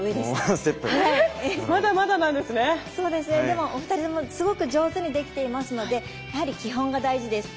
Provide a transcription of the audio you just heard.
でもお二人ともすごく上手にできていますのでやはり基本が大事です。